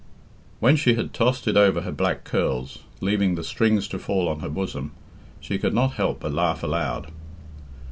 When she had tossed it over her black curls, leaving the strings to fall on her bosom, she could not help but laugh aloud.